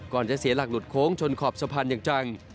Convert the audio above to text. จะเสียหลักหลุดโค้งชนขอบสะพานอย่างจัง